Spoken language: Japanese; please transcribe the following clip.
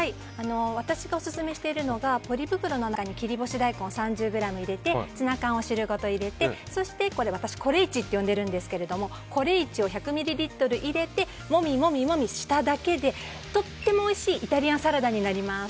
私がオススメしているのがポリ袋の中に切り干し大根３０ｇ入れてツナ缶を汁ごと入れてそして、コレイチを１００ミリリットル入れてもみもみしただけでとてもおいしいイタリアンサラダになります。